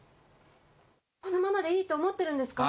このままでいいと思ってるんですか？